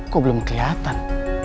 kok belum keliatan